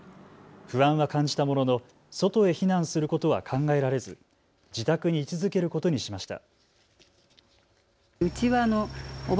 不安は感じたものの外へ避難することは考えられず自宅に居続けることにしました。